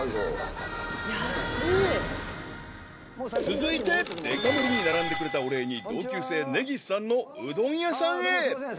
［続いてでか盛りに並んでくれたお礼に同級生根岸さんのうどん屋さんへ］